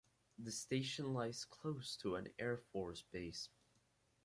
The station lies close to an airforce base.